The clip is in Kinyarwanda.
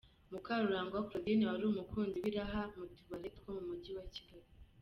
Mukarurangwa Claudine wari umukunzi w’iraha mu tubare two mu mujyi wa Kigali